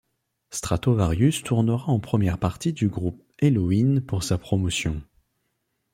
Stratovarius tournera en première partie du groupe Helloween pour sa promotion.